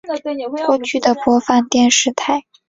过去的播放电视台